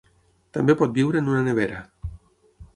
També pot viure en una nevera.